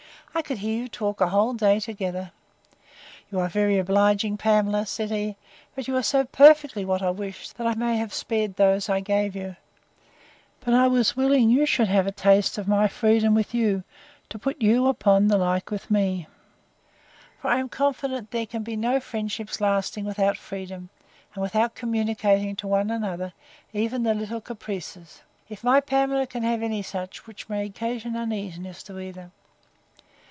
—I could hear you talk a whole day together.—You are very obliging, Pamela, said he; but you are so perfectly what I wish, that I might have spared those I gave you; but I was willing you should have a taste of my freedom with you, to put you upon the like with me: For I am confident there can be no friendship lasting, without freedom, and without communicating to one another even the little caprices, if my Pamela can have any such, which may occasion uneasiness to either.